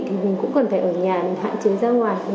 thì mình cũng cần phải ở nhà mình hạn chế ra ngoài